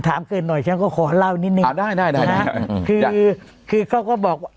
ถามเกินหน่อยฉันก็ขอเล่านิดนึงขอได้ได้นะคือคือเขาก็บอก